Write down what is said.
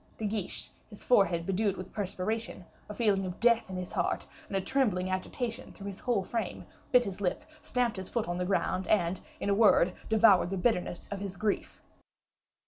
De Guiche, his forehead bedewed with perspiration, a feeling of death in his heart, and a trembling agitation through his whole frame, bit his lip, stamped his foot on the ground, and, in a word, devoured the bitterness of his grief.